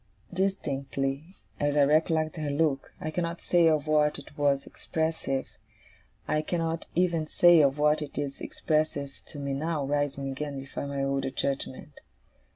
Distinctly as I recollect her look, I cannot say of what it was expressive, I cannot even say of what it is expressive to me now, rising again before my older judgement.